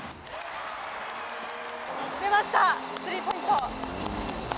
出ました、スリーポイント。